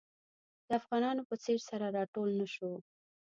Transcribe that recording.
د افغانانو په څېر سره راټول نه شو.